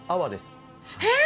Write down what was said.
えっ！？